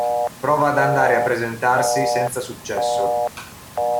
Prova ad andare a presentarsi senza successo.